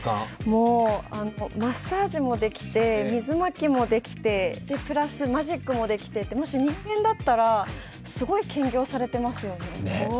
マッサージもできて、水まきもできて、プラス、マジックもできて、もし人間だったら、すごい兼業されていますよね。